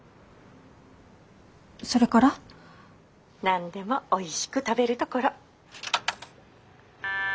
☎何でもおいしく食べるところ。